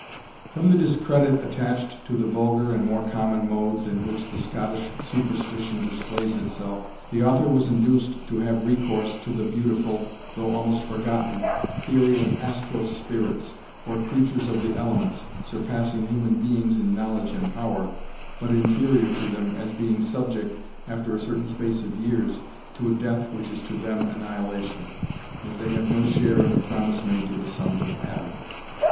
From the discredit attached to the vulgar and more common modes in which the Scottish superstition displays itself, the author was induced to have recourse to the beautiful, though almost forgotten, theory of astral spirits, or creatures of the elements, surpassing human beings in knowledge and power, but inferior to them, as being subject, after a certain space of years, to a death which is to them annihilation, as they have no share in the promise made to the sons of Adam.